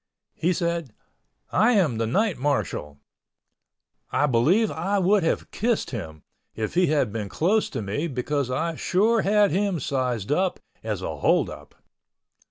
He said, "I am the night marshal." I believe I would have kissed him if he had been close to me because I sure had him sized up as a hold up.